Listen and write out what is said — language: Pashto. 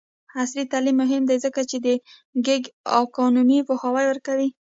عصري تعلیم مهم دی ځکه چې د ګیګ اکونومي پوهاوی ورکوي.